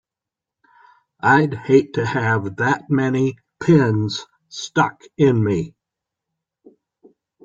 I'd hate to have that many pins stuck in me!